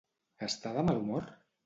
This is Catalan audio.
Està de mal humor?